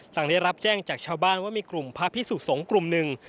หลังได้รับแจ้งจากชาวบ้านว่ามีกลุ่มพระพิสุสงฆ์กลุ่มหนึ่ง